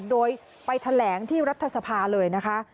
โดยไปแถลงที่รัฐสภาเลยนะคะ